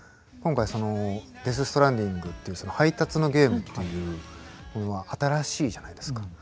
今回その「デス・ストランディング」っていう配達のゲームというものは新しいじゃないですか。